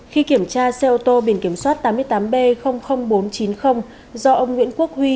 khi kiểm tra xe ô tô biển kiểm soát tám mươi tám b bốn trăm chín mươi do ông nguyễn quốc huy